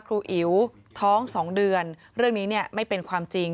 อิ๋วท้อง๒เดือนเรื่องนี้เนี่ยไม่เป็นความจริง